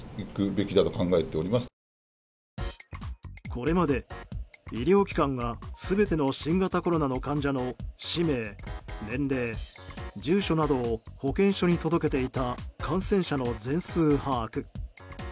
これまで、医療機関が全ての新型コロナの患者の氏名、年齢、住所などを保健所に届けていた感染者の全数把握。